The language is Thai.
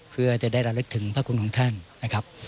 เพื่อจะได้ระลึกถึงพระคุณของท่านนะครับ